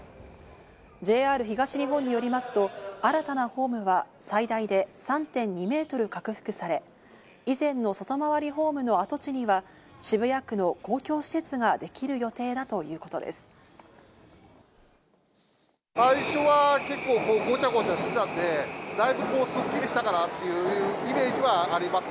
ＪＲ東日本によりますと、新たなホームは最大で３．２メートル拡幅され、以前の外回りホームの跡地には渋谷区の公共施設ができる予定だということです。